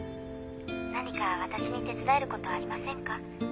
「何か私に手伝える事はありませんか？」